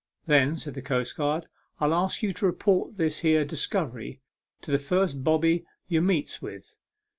" Then," said the coastguard, " I'll ask you to report this here discovery to the first bobby ye meets with.